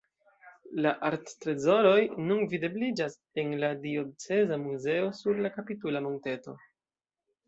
La arttrezoroj nun videbliĝas en la Dioceza Muzeo sur la kapitula monteto.